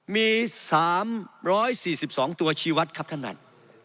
มี๓๔๒ตัวชีวัตรครับท่านท่าน